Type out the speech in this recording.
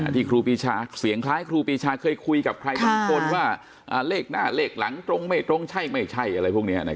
ครูปีชาเสียงคล้ายครูปีชาเคยคุยกับใครบางคนว่าเลขหน้าเลขหลังตรงไม่ตรงใช่ไม่ใช่อะไรพวกนี้